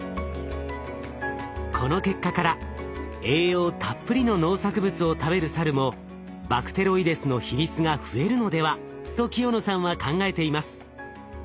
この結果から栄養たっぷりの農作物を食べるサルもバクテロイデスの比率が増えるのではと清野さんは考えています。